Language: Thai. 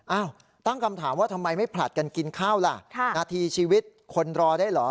ตั้งคำถามว่าทำไมไม่ผลัดกันกินข้าวล่ะนาทีชีวิตคนรอได้เหรอ